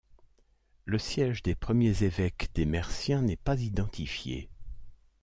Le siège des premiers évêques des Merciens n'est pas identifié.